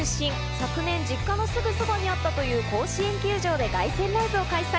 昨年、実家のすぐそばにあった甲子園球場で、凱旋ライブを開催。